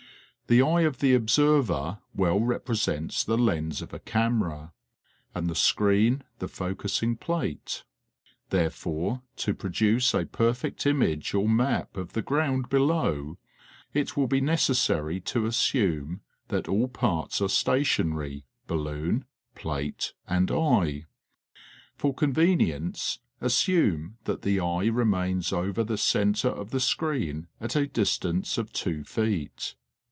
The eye of the observer well represents the lens of a camera, and the screen the focussing plate. Therefore to produce a perfect image or map of the ground below it will be necessary to assume that all parts are stationary, balloon, plate and eye. For convenience assume that the eye remains over the centre of the screen at a distance of two feet.